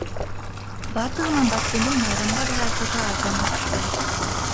Бардыгынан Баткендин майрамга даярдыгы арзанга түшкөн.